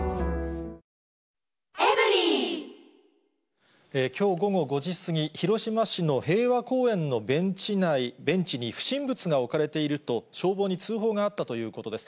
「ほんだし」できょう午後５時過ぎ、広島市の平和公園のベンチに不審物が置かれていると、消防に通報があったということです。